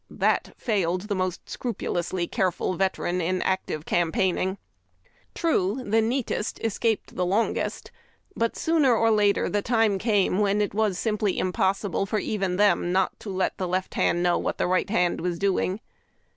That failed the most scrupulously careful vet eran in active campaigning. True, the neatest escaped the longest, but sooner or later the time came when it was simply impossible for PEDicuns vEs even them not to let the left hand knotv what the right hand was doing.